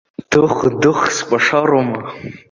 Дых-дых скәашароума?